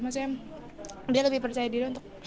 maksudnya dia lebih percaya diri untuk